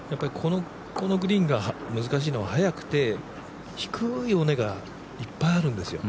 このグリーンが難しいのは速くて低い尾根がいっぱいあるんですよ。